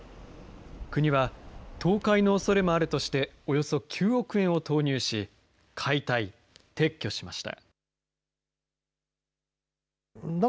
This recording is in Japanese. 国は倒壊のおそれもあるとしておよそ９億円を投入し、解体・撤去しました。